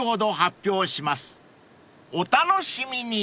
［お楽しみに］